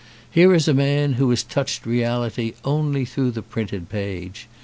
Here is a man who has touched reality only through the printed page.